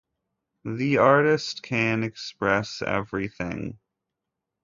The artist can express everything.